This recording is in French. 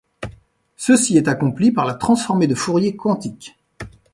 Ceci est accompli par la transformée de Fourier quantique.